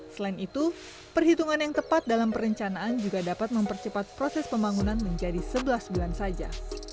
selain itu perhitungan yang tepat dalam perencanaan juga dapat mempercepat proses pembangunan menjadi sebelas bulan saja